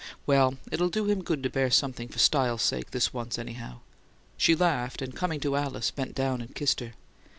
Well, it'll do him good to bear something for style's sake this once, anyhow!" She laughed, and coming to Alice, bent down and kissed her.